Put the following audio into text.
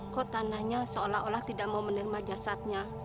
kok tanahnya seolah olah tidak mau menerima jasadnya